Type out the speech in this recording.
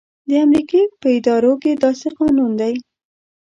د امریکې په ادارو کې داسې قانون دی.